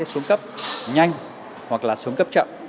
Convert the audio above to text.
xuống cấp nhanh hoặc là xuống cấp chậm